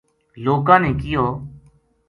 لوکاں نے کہیو